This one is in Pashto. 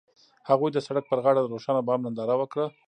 هغوی د سړک پر غاړه د روښانه بام ننداره وکړه.